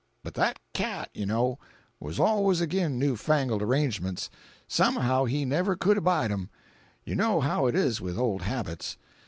But that cat, you know, was always agin new fangled arrangements—somehow he never could abide'em. You know how it is with old habits.